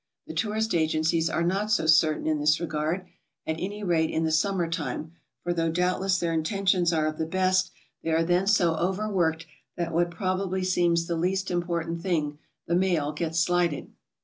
The tourist agencies are not so certain in this regard, at any rate in the summer time, for though doubtless their intentions are of the best, they are then so over worked that what probably seems the least im portant thing, the mail, gets slighted.